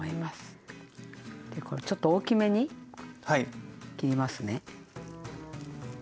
これちょっと大きめに切りますね。